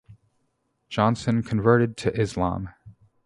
Johnson converted to Islam.